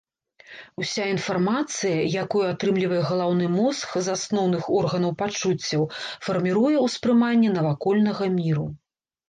Уся інфармацыя, якую атрымлівае галаўны мозг з асноўных органаў пачуццяў фарміруе ўспрыманне навакольнага міру.